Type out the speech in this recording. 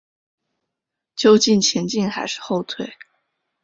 究竟前进还是后退？